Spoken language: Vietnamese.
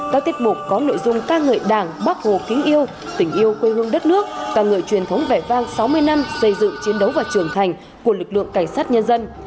các tiết mục có nội dung ca ngợi đảng bác hồ kính yêu tình yêu quê hương đất nước ca ngợi truyền thống vẻ vang sáu mươi năm xây dựng chiến đấu và trưởng thành của lực lượng cảnh sát nhân dân